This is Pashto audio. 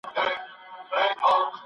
مناسبه ده چي انسان له عقل څخه کار واخلي.